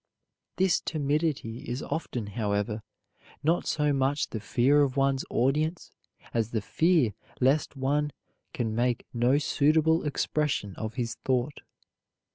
This timidity is often, however, not so much the fear of one's audience, as the fear lest one can make no suitable expression of his thought.